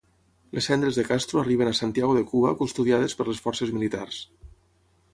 Les cendres de Castro arriben a Santiago de Cuba custodiades per les forces militars